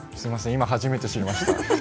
今初めて知りました。